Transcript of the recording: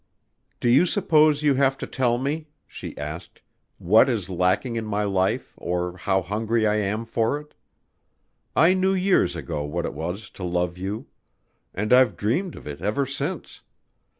"Do you suppose you have to tell me," she asked, "what is lacking in my life or how hungry I am for it? I knew years ago what it was to love you ... and I've dreamed of it ever since.